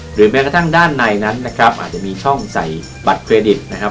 แม้กระทั่งด้านในนั้นนะครับอาจจะมีช่องใส่บัตรเครดิตนะครับ